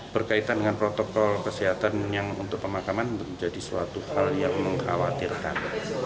berkaitan dengan protokol kesehatan yang untuk pemakaman menjadi suatu hal yang mengkhawatirkan